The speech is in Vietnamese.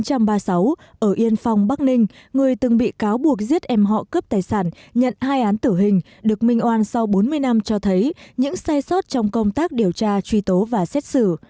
trong lĩnh vực hành pháp bắc ninh người từng bị cáo buộc giết em họ cướp tài sản nhận hai án tử hình được minh oan sau bốn mươi năm cho thấy những sai sót trong công tác điều tra truy tố và xét xử